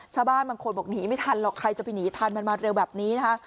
ชาวบ้านบางคนบอกหนีไม่ทันหรอกใครจะไปหนีทันมันมาเร็วแบบนี้นะคะ